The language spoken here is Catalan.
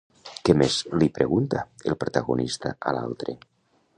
Què més li pregunta, el protagonista a l'altre?